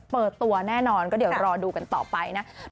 เปิดตัวแน่นอนก็เดี๋ยวรอดูกันต่อไปนะ